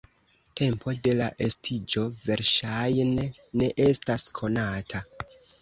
Tempo de la estiĝo verŝajne ne estas konata.